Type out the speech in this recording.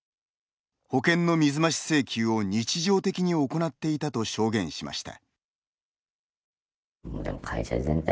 保険の水増し請求を日常的に行っていたと証言しました。